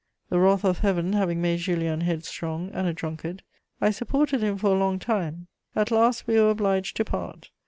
The wrath of Heaven having made Julien headstrong and a drunkard, I supported him for a long time; at last we were obliged to part.